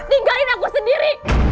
tinggalkan aku sendiri